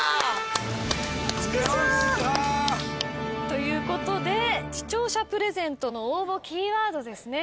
ということで視聴者プレゼントの応募キーワードですね。